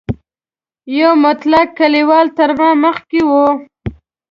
یو مطلق کلیوال تر ما مخکې و.